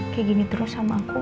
kayak gini terus sama aku